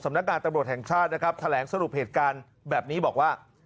นักการตำรวจแห่งชาตินะครับแถลงสรุปเหตุการณ์แบบนี้บอกว่า